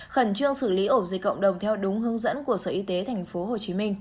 khẩn trương xử lý ổ dịch cộng đồng theo đúng hướng dẫn của sở y tế tp hcm